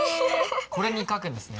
これに書くんですね？